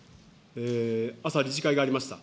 朝、理事会がありました。